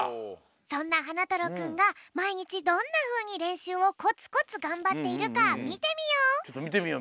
そんなはなたろうくんがまいにちどんなふうにれんしゅうをコツコツがんばっているかみてみよう。